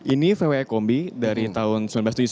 ini vw kombi dari tahun seribu sembilan ratus tujuh puluh